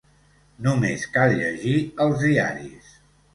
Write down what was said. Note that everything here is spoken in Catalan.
Només cal llegir els diaris.